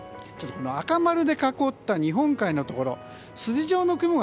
赤丸で囲った日本海のところ。